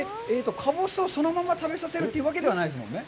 かぼすをそのまま食べさせるというわけではないですよね？